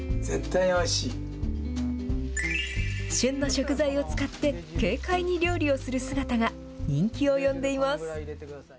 旬の食材を使って軽快に料理をする姿が人気を呼んでいます。